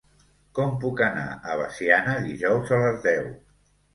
Com puc anar a Veciana dijous a les deu?